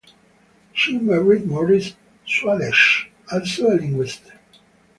She married Morris Swadesh, also a linguist.